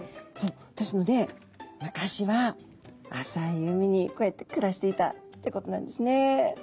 ですので昔は浅い海にこうやって暮らしていたってことなんですね。